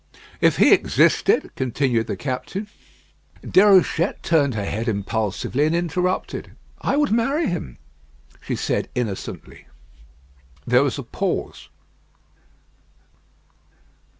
"If he existed " continued the captain. Déruchette turned her head impulsively, and interrupted. "I would marry him," she said, innocently. There was a pause.